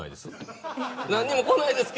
何もこないです。